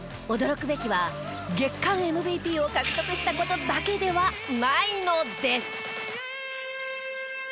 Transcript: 驚くべきは月間ＭＶＰを獲得した事だけではないのです。